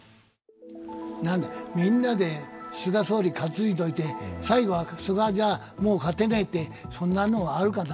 みんなで菅総理担いどいて最後は菅じゃもう勝てないって、そんなのあるかな。